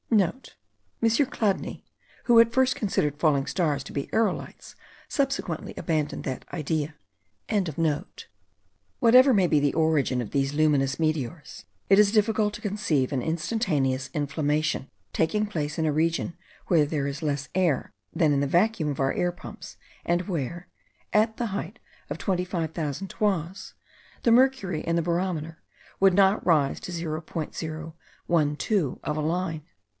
*(* M. Chladni, who at first considered falling stars to be aerolites, subsequently abandoned that idea.) Whatever may be the origin of these luminous meteors, it is difficult to conceive an instantaneous inflammation taking place in a region where there is less air than in the vacuum of our air pumps; and where (at the height of 25,000 toises) the mercury in the barometer would not rise to 0.012 of a line.